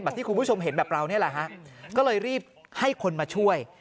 ที่คุณผู้ชมเห็นแบบเรานี่แหละฮะก็เลยรีบให้คนมาช่วย